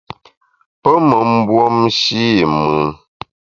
Pe me mbuomshe i mùn.